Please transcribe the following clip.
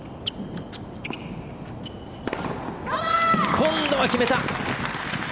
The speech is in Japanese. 今度は決めた！